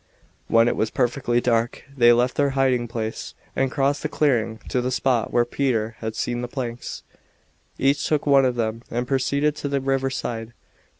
When it was perfectly dark they left their hiding place and crossed the clearing to the spot where Peter had seen the planks. Each took one of them and proceeded to the river side.